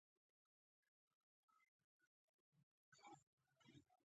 کپسول یا محفظه د باکتریاوو دیوال پوښي.